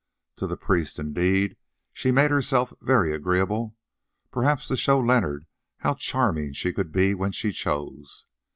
To the priest, indeed, she made herself very agreeable, perhaps to show Leonard how charming she could be when she chose.